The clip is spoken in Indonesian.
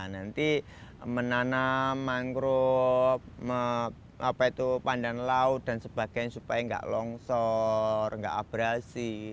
nanti menanam mangrove pandan laut dan sebagainya supaya nggak longsor nggak abrasi